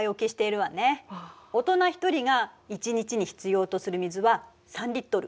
大人１人が１日に必要とする水は３リットル。